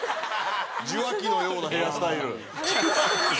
受話器のようなヘアスタイル。